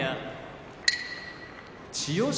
千代翔